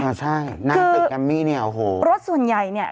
อ่าใช่หน้าตึกแอมมี่เนี่ยโอ้โหรถส่วนใหญ่เนี่ย